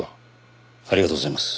ありがとうございます。